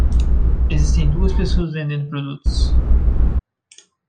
Existem duas pessoas vendendo produtos